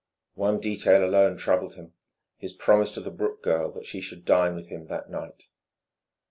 One detail alone troubled him, his promise to the Brooke girl that she should dine with him that night.